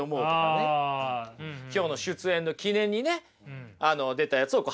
今日の出演の記念にね出たやつを貼っとく。